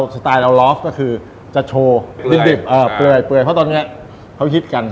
สไตล์เราลอฟก็คือจะโชว์ดิบเปื่อยเพราะตอนนี้เขาฮิตกัน